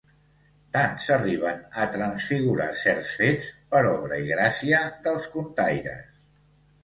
Tant s'arriben a transfigurar certs fets, per obra i gràcia dels contaires.